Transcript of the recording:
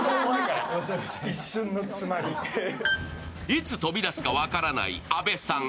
いつ飛び出すか分からない阿部さん